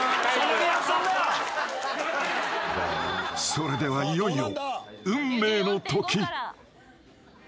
［それではいよいよ］